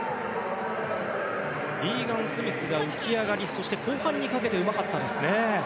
リーガン・スミスが浮き上がりと後半にかけてうまかったですね。